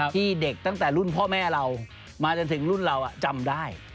ที่เด็กตั้งแต่รุ่นพ่อแม่เรามาจนถึงรุ่นเราจำได้